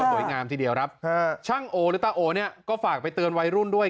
สวยงามทีเดียวครับช่างโอหรือตาโอเนี่ยก็ฝากไปเตือนวัยรุ่นด้วย